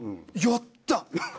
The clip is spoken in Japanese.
やった！